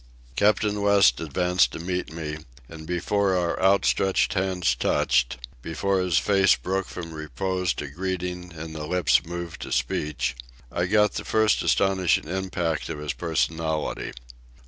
Captain West advanced to meet me, and before our outstretched hands touched, before his face broke from repose to greeting and the lips moved to speech, I got the first astonishing impact of his personality.